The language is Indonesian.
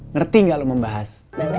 ngerti gak lo membahas